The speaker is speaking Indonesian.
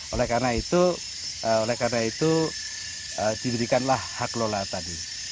oleh karena itu diberikanlah hak kelola tadi